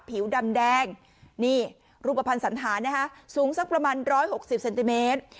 ผิวดำแดงนี่รูปภัณฑ์สันธารนะคะสูงสักประมาณ๑๖๐เซนติเมตร